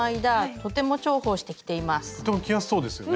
とっても着やすそうですよね。